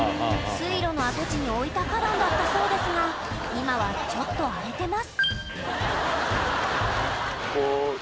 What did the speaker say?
水路の跡地に置いた花壇だったそうですが今はちょっと荒れてます